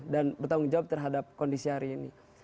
dan bertanggung jawab terhadap kondisi hari ini